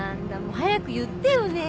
早く言ってよねえ。